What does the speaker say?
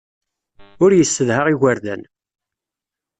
Ur yessedha igerdan.